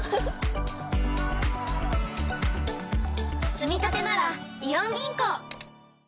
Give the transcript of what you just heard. つみたてならイオン銀行！